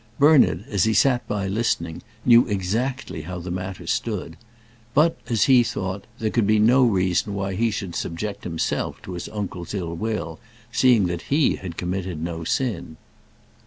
Bernard, as he sat by listening, knew exactly how the matter stood; but, as he thought, there could be no reason why he should subject himself to his uncle's ill will, seeing that he had committed no sin.